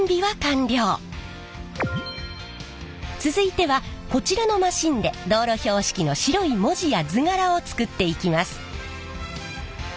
続いてはこちらのマシンで道路標識の白い文字や図柄を作っていきます。